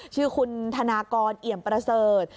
ชื่อคุณธนากรเอี่ยมประเสริฐ